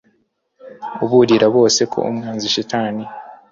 uburira bose ko umwanzi shitani